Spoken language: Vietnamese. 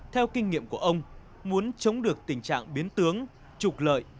theo kinh nghiệm của ông muốn chống được tình trạng biến tướng trục lợi